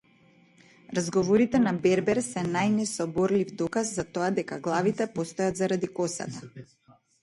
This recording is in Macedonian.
Разговорите на бербер се најнесоборлив доказ за тоа дека главите постојат заради косата.